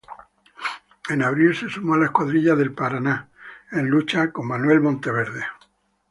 En abril se sumó a la escuadrilla del Paraná en lucha con Manuel Monteverde.